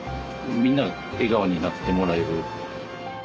みんな笑顔になってもらえる。